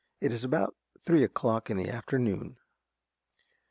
It is about three o'clock in the afternoon.